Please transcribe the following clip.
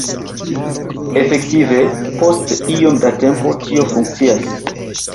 Efektive, post iom da tempo, tio funkcias.